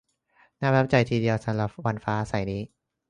น่าประทับใจที่เดียวสำหรับวันฟ้าใสนี้